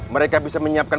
mereka bisa menyiapkan